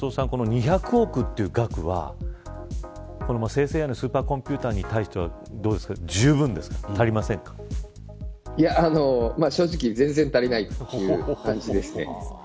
２００億という額は生成ＡＩスーパーコンピューターに対して正直、全然足りないという感じです。